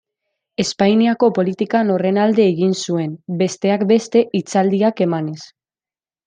Espainiako politikan horren alde egin zuen, besteak beste hitzaldiak emanez.